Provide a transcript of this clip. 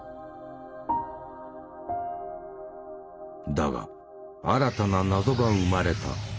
だが新たな謎が生まれた。